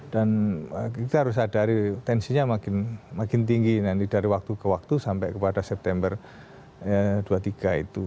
dan kita harus sadari tensinya makin tinggi dari waktu ke waktu sampai kepada september dua puluh tiga itu